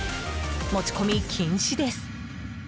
持ち込み禁止です。